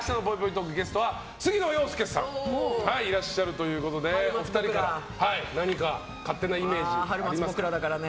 トークゲストは杉野遥亮さんがいらっしゃるということでお二人から何か勝手なイメージ。